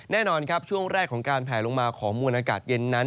แน่นอนครับช่วงแรกของการแผลลงมาของมวลอากาศเย็นนั้น